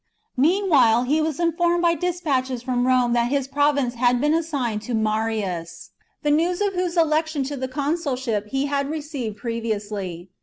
Meanwhile he was informed by despatches from Rome that his province had been assigned to Marius, the news of whose election to the consulship he had received previously.